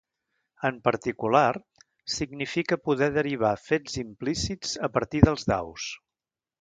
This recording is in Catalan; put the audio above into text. En particular, significa poder derivar fets implícits a partir dels daus.